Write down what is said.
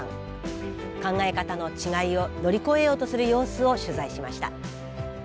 考え方の違いを乗り越えようとする様子を取材しました。